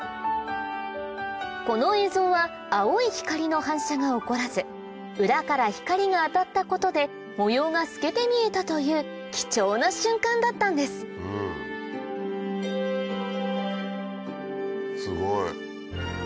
この映像は青い光の反射が起こらず裏から光が当たったことで模様が透けて見えたという貴重な瞬間だったんですすごい。